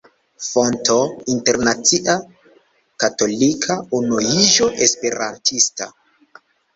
Fonto: Internacia Katolika Unuiĝo Esperantista.